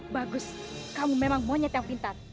bagus kamu memang monyet yang pintar